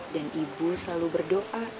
dan ibu selalu berdoa